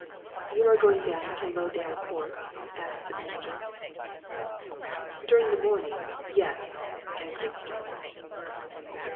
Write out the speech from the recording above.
"You are going down to Lowdale Court?" asked the manager. "During the morning yes," answered Starmidge.